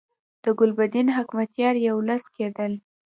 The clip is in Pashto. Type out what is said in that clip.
د ګلبدین حکمتیار یو لاس کېدل.